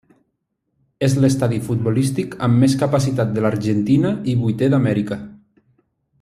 És l'estadi futbolístic amb més capacitat de l'Argentina i vuitè d'Amèrica.